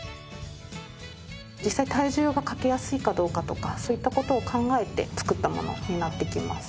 実際体重がかけやすいかどうかとかそういった事を考えて作ったものになってきます。